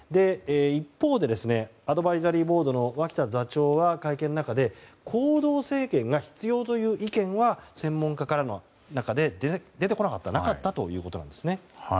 一方で、アドバイザリーボードの脇田座長は会見の中で行動制限が必要という意見は専門家からの中で出てこなかったなかったということです。